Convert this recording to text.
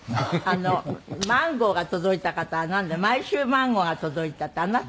マンゴーが届いた方はなんで毎週マンゴーが届いたってあなた？